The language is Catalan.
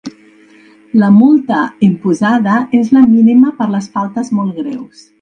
La multa imposada és la mínima per les faltes molt greus.